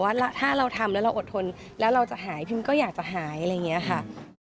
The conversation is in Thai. ว่าถ้าเราทำแล้วเราอดทนแล้วเราจะหายพิมก็อยากจะหายอะไรอย่างนี้ค่ะ